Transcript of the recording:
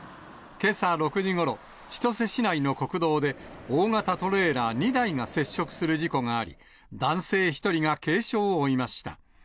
けさ６時ごろ、千歳市内の国道で大型トレーラー２台が接触する事故があり、男性１人が軽傷を負いました。